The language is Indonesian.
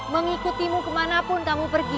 mengikutimu kemanapun kamu pergi